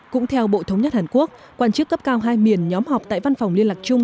cũng theo bộ thống nhất hàn quốc quan chức cấp cao hai miền nhóm họp tại văn phòng liên lạc chung